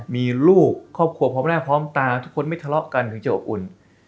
มีลูกครอบครัวพร้อมหน้าพร้อมตาทุกคนไม่ทะเลาะกันถึงจะอบอุ่น